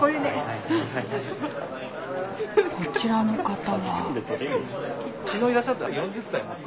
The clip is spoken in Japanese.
こちらの方は。